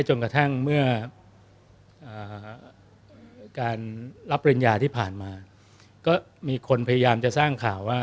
จนกระทั่งเมื่อการรับปริญญาที่ผ่านมาก็มีคนพยายามจะสร้างข่าวว่า